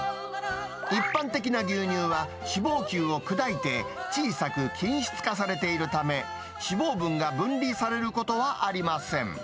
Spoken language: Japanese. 一般的な牛乳は脂肪球を砕いて小さく均質化されているため、脂肪分が分離されることはありません。